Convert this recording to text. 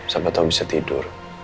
siapa tau bisa tidur